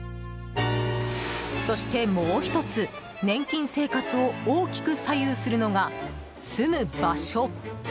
そして、もう１つ年金生活を大きく左右するのが住む場所。